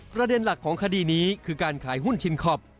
ประเด็นหลักของคดีนี้คือการขายหุ้นชินคอป